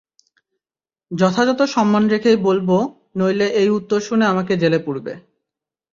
যথাযথ সম্মান রেখেই বলব, নইলে এই উত্তর শুনে আমাকে জেলে পুরবে।